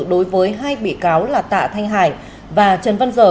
đối với hai bị cáo là tạ thanh hải và trần văn dở